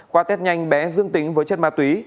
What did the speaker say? qua test nhanh bé dương tính với chất ma túy